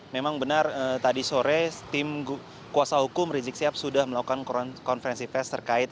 memang benar tadi sore tim kuasa hukum rizik sihab sudah melakukan konferensi pers terkait